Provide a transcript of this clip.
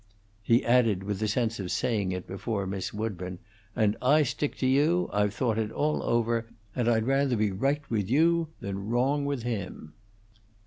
He added, with the sense of saying it before Miss Woodburn: "And I stick by you. I've thought it all over, and I'd rather be right with you than wrong with him."